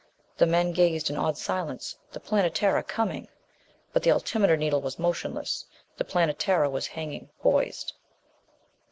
The men gazed in awed silence. The Planetara coming.... But the altimeter needle was motionless. The Planetara was hanging poised.